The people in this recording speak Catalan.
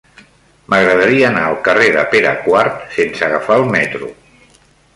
M'agradaria anar al carrer de Pere IV sense agafar el metro.